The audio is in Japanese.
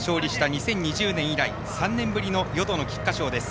２０２０年以来３年ぶりの淀の菊花賞です。